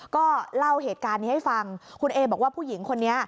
ก็เล่าเหตุการณ์นี้ให้ฟังคุณเอบอกว่าผู้หญิงคนนี้